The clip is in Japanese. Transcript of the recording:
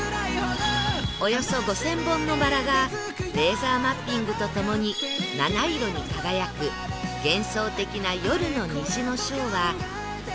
およそ５０００本のバラがレーザーマッピングとともに七色に輝く幻想的な夜の虹のショーは言葉にならない美しさ